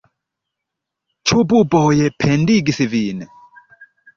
Ĉu buboj pendigis vin?